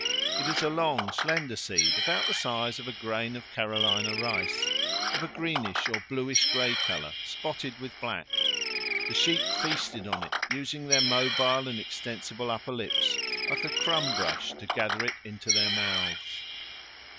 It is a long, slender seed, about the size of a grain of Carolina rice, of a greenish or bluish grey colour, spotted with black. The sheep feasted on it, using their mobile and extensible upper lips like a crumb brush to gather it into their mouths.